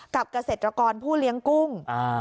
เกษตรกรผู้เลี้ยงกุ้ง